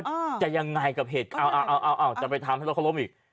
อ้าวจะยังไงกับเหตุการณ์อ้าวอ้าวอ้าวจะไปทำให้รถเขาล้มอีก